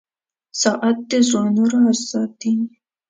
• ساعت د زړونو راز ساتي.